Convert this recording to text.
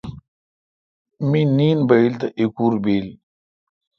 می نین بایل تھ ایکور بیک